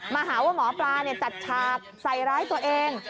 มาหาว่าหมอปลาจัดฉากใส่ร้ายตัวเอง